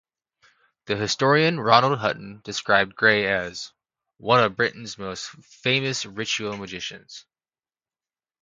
The historian Ronald Hutton described Gray as "one of Britain's most famous ritual magicians".